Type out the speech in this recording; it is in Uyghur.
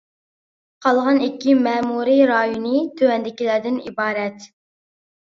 قالغان ئىككى مەمۇرىي رايونى تۆۋەندىكىلەردىن ئىبارەت.